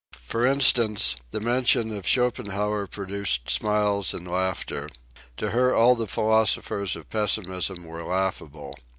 For instance, the mention of Schopenhauer produced smiles and laughter. To her all the philosophers of pessimism were laughable.